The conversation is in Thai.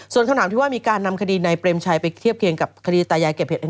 ส่วนคำถามที่ว่ามีการนำคดีในเปรมชัยไปเทียบเคียงกับคดีตายายเก็บเห็ด